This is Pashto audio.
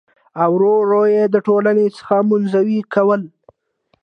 او ور ور يې د ټـولنـې څـخـه منـزوي کـول .